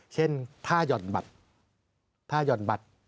เช่นค่าหย่อนบัตรค่าหย่อนบัตร